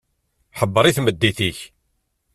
Ḥebber i tmeddit-ik.